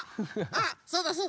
あそうだそうだ。